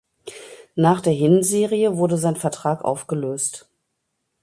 Nach der Hinserie wurde sein Vertrag aufgelöst.